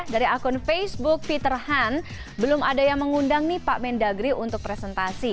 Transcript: dari akun facebook peter han belum ada yang mengundang nih pak mendagri untuk presentasi